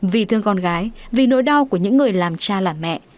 vì thương con gái vì nỗi đau của những người làm cha làm mẹ